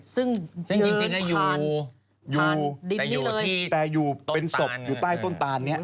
ซึ่งเยือนผ่านทานหลิบนี้เลยแต่อยู่เป็นศพอยู่ใต้ต้นตาลเนี่ย